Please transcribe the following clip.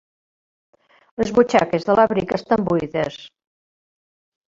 Les butxaques de l'abric estan buides.